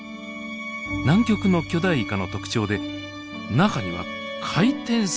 南極の巨大イカの特徴で中には回転するものまで。